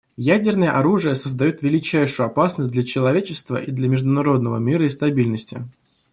Ядерное оружие создает величайшую опасность для человечества и для международного мира и стабильности.